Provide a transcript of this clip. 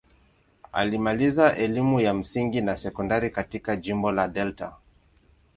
Alimaliza elimu ya msingi na sekondari katika jimbo la Delta.